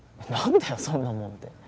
何だよそんなもんって。